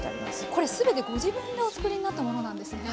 これ全てご自分でお作りになったものなんですね。